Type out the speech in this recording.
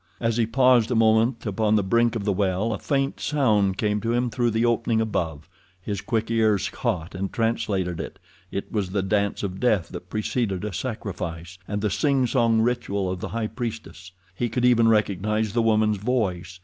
As he paused a moment upon the brink of the well a faint sound came to him through the opening above. His quick ears caught and translated it—it was the dance of death that preceded a sacrifice, and the singsong ritual of the high priestess. He could even recognize the woman's voice.